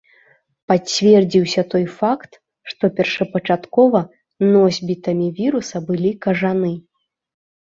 Пацвердзіўся той факт, што першапачаткова носьбітамі віруса былі кажаны.